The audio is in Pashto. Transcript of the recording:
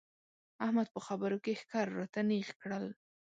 احمد په خبرو کې ښکر راته نېغ کړل.